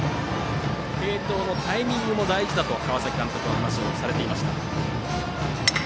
継投のタイミングも大事だと川崎監督は話をされていました。